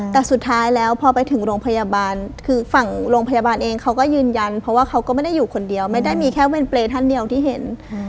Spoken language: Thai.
แต่สุดท้ายแล้วพอไปถึงโรงพยาบาลคือฝั่งโรงพยาบาลเองเขาก็ยืนยันเพราะว่าเขาก็ไม่ได้อยู่คนเดียวไม่ได้มีแค่เวรเปรย์ท่านเดียวที่เห็น